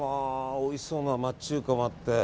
おいしそうな町中華もあって。